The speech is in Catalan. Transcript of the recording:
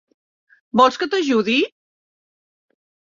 Vols que t'ajudi?